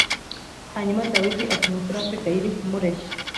Hanyuma Dawidi atuma kuri Abigayili kumureshya